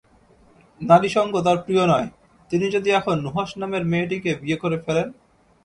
নারীসঙ্গ তাঁর প্রিয় নয়, তিনি যদি এখন নুহাশ নামের মেয়েটিকে বিয়ে করে ফেলেন।